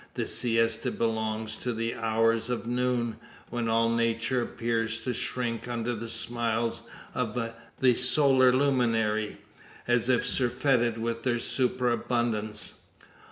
The siesta belongs to the hours of noon; when all nature appears to shrink under the smiles of the solar luminary as if surfeited with their superabundance.